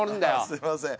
すみません。